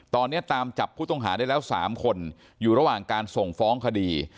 ตอนนี้ตามจับผู้ต้องหาได้แล้ว๓คนอยู่ระหว่างการส่งฟ้องคดี